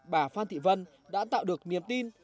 bà phan thị vân đã tạo được niềm tin